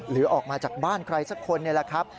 หรือออกมาจากบ้านใครสักคนนี่แหละครับ